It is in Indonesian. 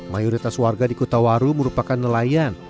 mayoritas warga di kota waru merupakan nelayan